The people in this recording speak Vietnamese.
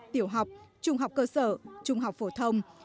tiểu học trung học cơ sở trung học phổ thông